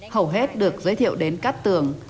hầu hết được giới thiệu đến các tường